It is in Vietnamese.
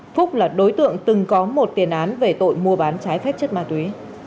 phúc là đối tượng từng có một tiền án về tội mua bán trái phép chất ma túy